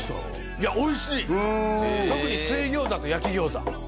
いやおいしい特に水餃子と焼き餃子